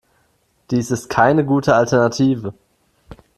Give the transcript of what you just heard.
Dies ist keine gute Alternative.